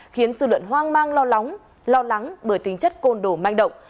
khiến dư luận hoang mang lo lắng bởi tính chất côn đồ manh động